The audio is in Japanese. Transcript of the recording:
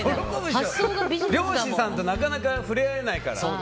漁師さんとなかなか触れ合えないから。